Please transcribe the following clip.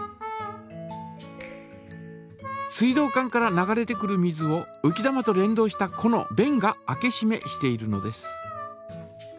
水道管から流れてくる水をうき玉と連動したこのべんが開けしめしているのです。